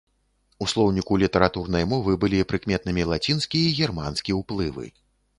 У слоўніку літаратурнай мовы былі прыкметнымі лацінскі і германскі ўплывы.